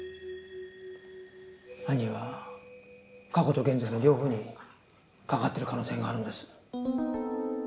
犯人は過去と現在の両方に関わっている可能性があるんです。